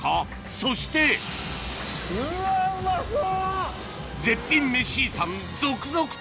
そしてうわうまそう！